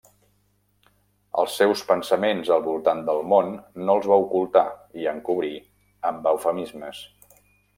Els seus pensaments al voltant del món no els va ocultar i encobrir amb eufemismes.